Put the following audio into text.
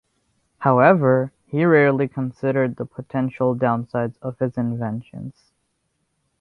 However, he rarely considered the potential downsides of his inventions.